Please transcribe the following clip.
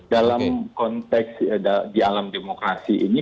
dalam konteks di alam demokrasi ini